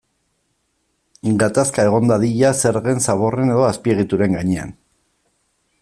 Gatazka egon dadila zergen, zaborren edo azpiegituren gainean.